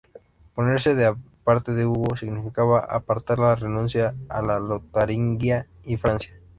Ponerse de parte de Hugo significaba aceptar la renuncia a la Lotaringia y Francia.